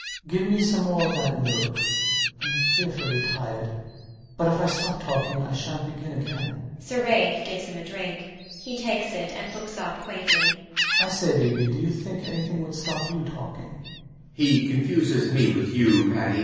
Give me some more of that milk. I'm fearfully tired; but if I stop talking I shant begin again. [Sir Ralph gives him a drink. He takes it and looks up quaintly]. I say, B. B., do you think anything would stop you talking? B. B. [almost unmanned] He confuses me with you, Paddy.